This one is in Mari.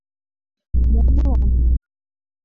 Модылан.